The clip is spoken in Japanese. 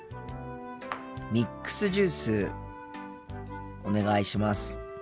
ミックスジュースお願いします。